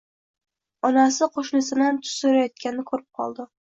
Onasi qoʻshnisidan tuz soʻrayotganini koʻrib qoldi